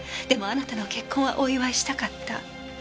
でもあなたの結婚はお祝いしたかった。